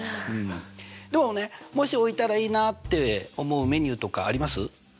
でもねもし置いたらいいなって思うメニューとかあります？